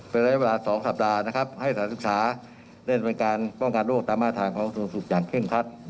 เป็นระยะเวลา๒สัปดาห์นะครับให้สถานศึกษาเล่นเป็นการป้องกันโรคตามมาทางของส่วนสุขอย่างเคร่งคัด